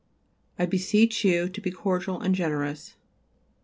I beseech of you to be cordial and generous.